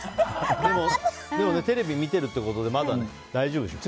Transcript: テレビ見てるってことでまだ大丈夫でしょう。